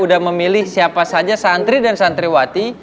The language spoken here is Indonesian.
udah memilih siapa saja santri dan santri wati